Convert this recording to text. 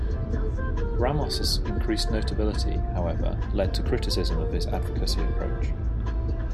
Ramos' increased notability, however, led to criticism of his advocacy approach.